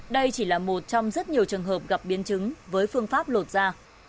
đây chỉ là một trong rất nhiều trường hợp gặp biến chứng với phương pháp lột da